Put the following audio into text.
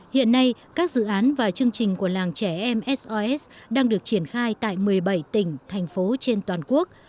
hiện nay các dự án và chương trình của làng trẻ em sos đang được triển khai tại một mươi bảy tỉnh thành phố trên toàn quốc